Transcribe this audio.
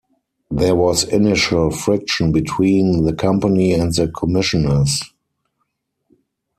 There was initial friction between the company and the commissioners.